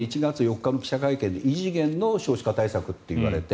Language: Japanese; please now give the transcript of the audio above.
だから、岸田さんは１月４日の記者会見で異次元の少子化対策といわれて。